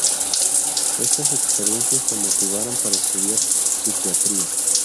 Estas experiencias lo motivaron para estudiar psiquiatría.